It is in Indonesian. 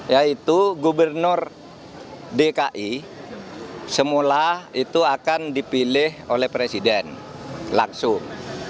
yaitu gubernur dki semula itu akan dipilih oleh presiden langsung